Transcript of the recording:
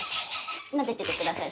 なでててください